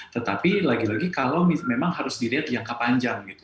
tetapi lagi lagi kalau memang harus dilihat jangka panjang gitu